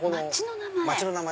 街の名前！